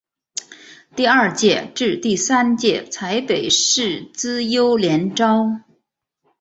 第二届至第三届采北市资优联招。